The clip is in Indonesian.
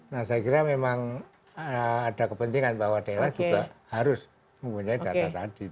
nah saya kira memang ada kepentingan bahwa daerah juga harus mempunyai data tadi